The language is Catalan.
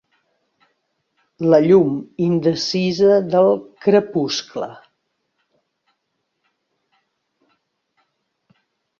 La llum indecisa del crepuscle.